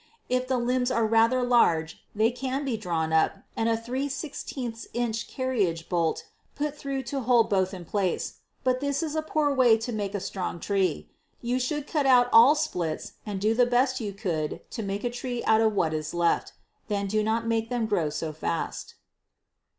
If the limbs are rather large they can be drawn up and a 3/16 inch carriage bolt put through to hold both in place; but this is a poor way to make a strong tree. We should cut out all splits and do the best we could to make a tree out of what is left. Then do not make them grow so fast.